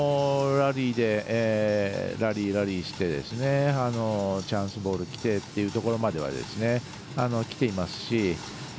ラリー、ラリーしてチャンスボールきてというところまではきていますし。